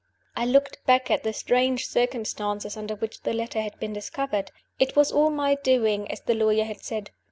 I looked back at the strange circumstances under which the letter had been discovered. It was all my doing as the lawyer had said.